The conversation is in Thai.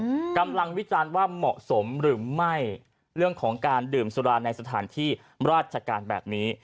อืมกำลังวิจารณ์ว่าเหมาะสมหรือไม่เรื่องของการดื่มสุราในสถานที่ราชการแบบนี้